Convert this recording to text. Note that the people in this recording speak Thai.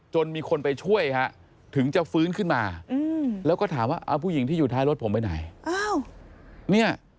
มีคนไปช่วยฮะถึงจะฟื้นขึ้นมาแล้วก็ถามว่าเอาผู้หญิงที่อยู่ท้ายรถผมไปไหน